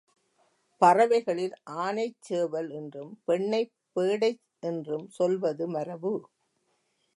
பறவைகளில் ஆணைச் சேவல் என்றும் பெண்ணைப் பேடை என்றும் சொல்வது மரபு.